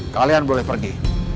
kalian boleh pergi